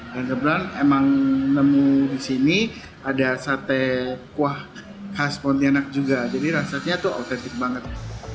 dan kebetulan memang nemu di sini ada sate kuah khas pontianak juga jadi rasanya itu autentik banget